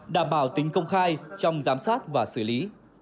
đảm bảo tính công khai trong giám sát và xử lý